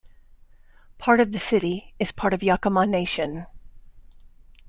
Part of the city is part of the Yakama Nation.